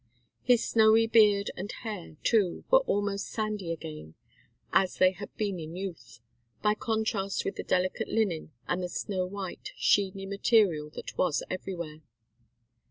His snowy beard and hair, too, were almost sandy again, as they had been in youth, by contrast with the delicate linen and the snow white, sheeny material that was everywhere.